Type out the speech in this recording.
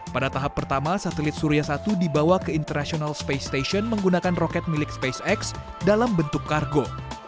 pada tahap pertama satelit surya satu dibawa ke international space station menggunakan roket milik spacex dalam bentuk kargo